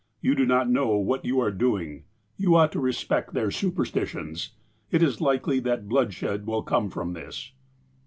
You do not know what you are doing. Tou ought to respect their superstitions. It is likely that bloodshed will come from this."